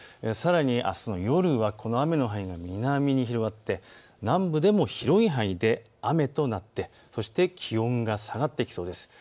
さらにあすの夜はこの雨の範囲が南に広がって南部でも広い範囲で雨となってそして気温が下がっていきそうです。